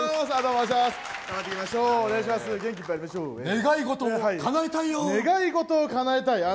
願いたいをかなえたい王。